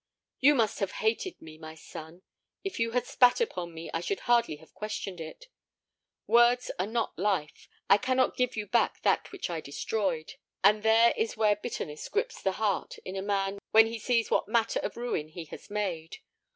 "You must have hated me, my son; if you had spat upon me, I should hardly have questioned it. Words are not life: I cannot give you back that which I destroyed. And there is where bitterness grips the heart in a man when he sees what manner of ruin he has made.